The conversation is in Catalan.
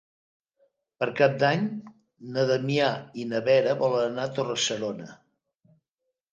Per Cap d'Any na Damià i na Vera volen anar a Torre-serona.